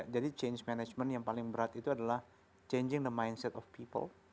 change management yang paling berat itu adalah changing the mindset of people